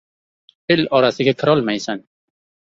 El orasiga kirolmaysan!